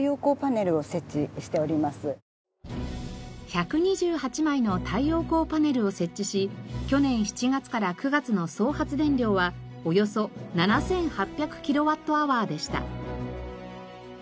１２８枚の太陽光パネルを設置し去年７月から９月の総発電量はおよそ７８００キロワットアワーでした。